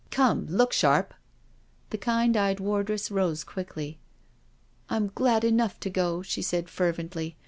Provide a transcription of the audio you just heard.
Come, look sharp .'^ The kind eyed wardress rose quickly. " I'm glad enough to go," she said fervently.